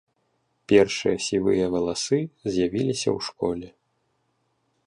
Першыя сівыя валасы з'явіліся ў школе.